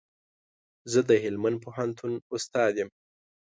زه د هلمند پوهنتون استاد يم